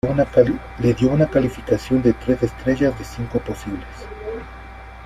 Le dio una calificación de tres estrellas de cinco posibles.